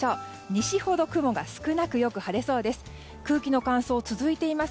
西ほど、雲が少なくよく晴れそうです。